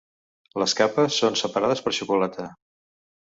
Les capes són separades per xocolata.